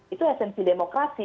itu esensi demokrasi